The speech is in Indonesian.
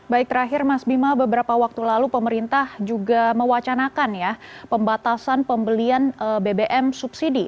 baik terakhir mas bima beberapa waktu lalu pemerintah juga mewacanakan ya pembatasan pembelian bbm subsidi